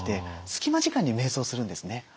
隙間時間にめい想するんですね。